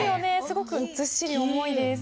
すごくずっしり重いです。